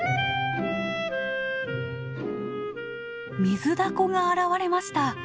ミズダコが現れました。